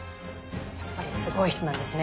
やっぱりすごい人なんですね。